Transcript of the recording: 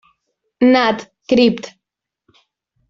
Nat., Crypt.